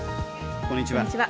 こんにちは。